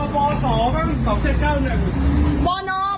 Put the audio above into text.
บอ๒บ้าง๒๗๙๑